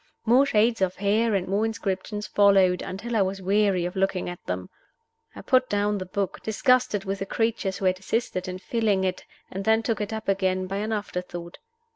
More shades of hair and more inscriptions followed, until I was weary of looking at them. I put down the book, disgusted with the creatures who had assisted in filling it, and then took it up again, by an afterthought.